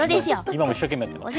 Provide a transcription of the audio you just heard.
今も一生懸命やってます。